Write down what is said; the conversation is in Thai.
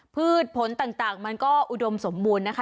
พืชผลต่างต่างมันก็อุดมสมมุลนะคะ